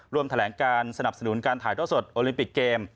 รวมแถลงการสนับสนุนการถ่ายท่อสดโอลิมปิกเกม